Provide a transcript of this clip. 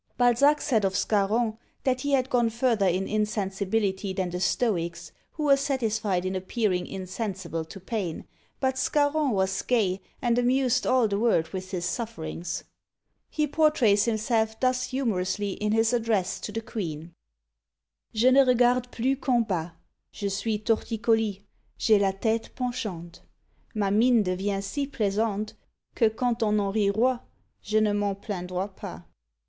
Balzac said of Scarron, that he had gone further in insensibility than the Stoics, who were satisfied in appearing insensible to pain; but Scarron was gay, and amused all the world with his sufferings. He pourtrays himself thus humorously in his address to the queen: Je ne regard plus qu'en bas, Je suis torticolis, j'ai la tête penchante; Ma mine devient si plaisante Que quand on en riroit, je ne m'en plaindrois pas.